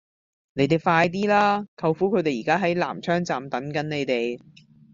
你哋快啲啦!舅父佢哋而家喺南昌站等緊你哋